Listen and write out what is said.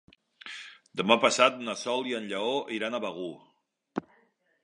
Demà passat na Sol i en Lleó iran a Begur.